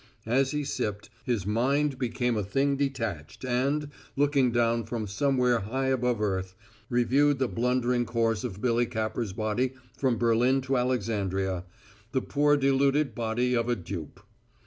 As he sipped, his mind became a thing detached and, looking down from somewhere high above earth, reviewed the blundering course of Billy Capper's body from Berlin to Alexandria the poor deluded body of a dupe.